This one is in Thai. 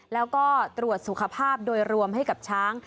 แล้วก็ตรวจสุขภาพโดยรวมให้กับช้าง